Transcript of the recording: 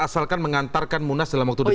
asalkan mengantarkan munas dalam waktu dekat